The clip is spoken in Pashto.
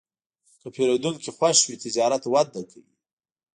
که پیرودونکی خوښ وي، تجارت وده کوي.